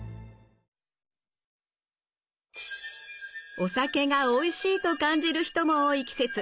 お酒がおいしいと感じる人も多い季節。